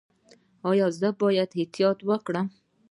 ایا زه باید احتیاط وکړم؟